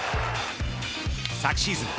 昨シーズン